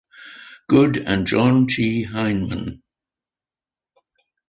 Good and John G. Heimann.